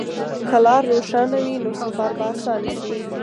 که لار روښانه وي، نو سفر به اسانه شي.